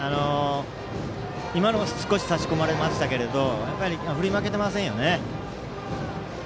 今のは少し差し込まれましたけど振り負けていませんよね。